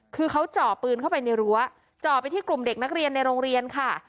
คือเขาจ่อปืนเข้าไปในรั้วจ่อไปที่กลุ่มเด็กนักเรียนในโรงเรียนค่ะ